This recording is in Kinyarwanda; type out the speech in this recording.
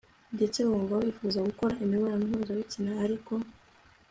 ndetse wumva wifuza gukora imibonano mpuzabitsina, ariko